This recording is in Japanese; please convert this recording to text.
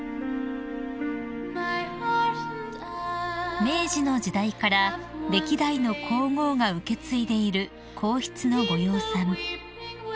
［明治の時代から歴代の皇后が受け継いでいる皇室のご養蚕］